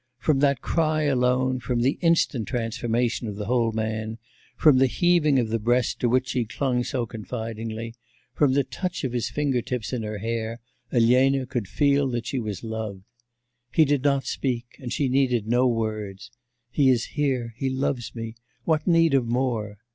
From that cry alone, from the instant transformation of the whole man, from the heaving of the breast to which she clung so confidingly, from the touch of his finger tips in her hair, Elena could feel that she was loved. He did not speak, and she needed no words. 'He is here, he loves me... what need of more?